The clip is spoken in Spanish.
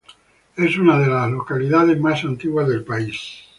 Es una de las localidades más antiguas del país.